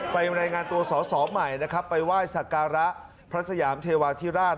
รายงานตัวสอสอใหม่นะครับไปไหว้สักการะพระสยามเทวาธิราช